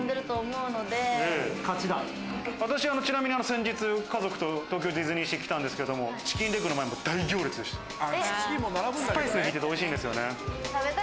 私は先日、家族と東京ディズニーシーに来たんですけど、チキンレッグの前、大行列でした。